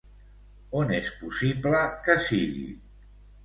On és possible que sigui?